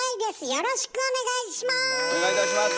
よろしくお願いします！